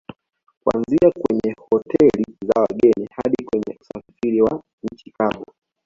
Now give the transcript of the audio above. Kuanzia kwenye Hoteli za wageni hadi kwenye usafiri wa nchi kavu